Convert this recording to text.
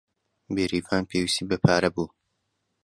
بێریڤان پێویستی بە پارە بوو.